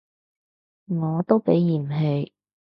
我都被嫌棄